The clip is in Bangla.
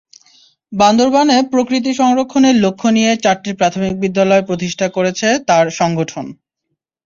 বান্দরবানে প্রকৃতি সংরক্ষণের লক্ষ্য নিয়ে চারটি প্রাথমিক বিদ্যালয় প্রতিষ্ঠা করেছে তাঁর সংগঠন।